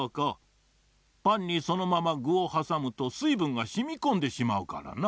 パンにそのままぐをはさむとすいぶんがしみこんでしまうからな。